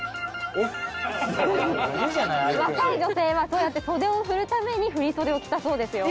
若い女性はそうやって袖を振るために振り袖を着たそうですよ。